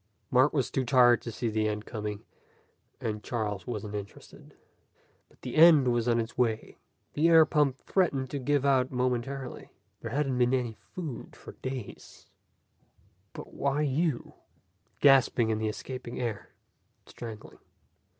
Mark was too tired to see the end coming, and Charles wasn't interested. But the end was on its way. The air pump threatened to give out momentarily. There hadn't been any food for days. "But why you?" Gasping in the escaping air. Strangling.